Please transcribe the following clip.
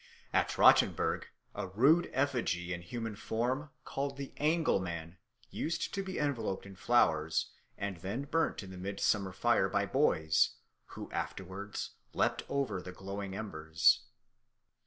At Rottenburg a rude effigy in human form, called the Angelman, used to be enveloped in flowers and then burnt in the midsummer fire by boys, who afterwards leaped over the glowing embers.